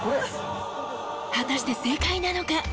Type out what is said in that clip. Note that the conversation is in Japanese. ［果たして正解なのか？］